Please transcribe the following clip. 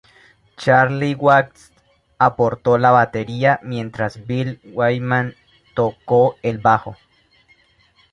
Charlie Watts aporto la batería mientras Bill Wyman tocó el bajo.